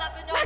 maka aja diam